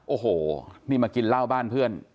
โอ้โหนี่มากินเหล้าบ้านเพื่อน